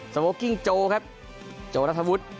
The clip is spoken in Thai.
สโมกิ้งโจครับโจรัฐวุทธ์